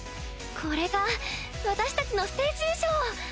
これが私たちのステージ衣装。